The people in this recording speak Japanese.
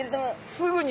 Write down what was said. すぐに。